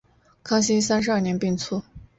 康熙三十二年病卒。